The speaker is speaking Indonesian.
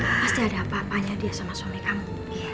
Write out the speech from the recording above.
pasti ada apa apanya dia sama suami kamu